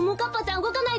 うごかないで！